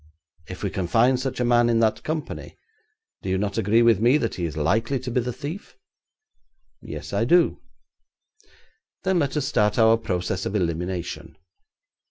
If we can find such a man in that company, do you not agree with me that he is likely to be the thief?' 'Yes, I do.' 'Then let us start our process of elimination.